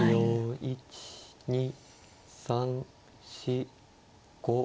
１２３４５６。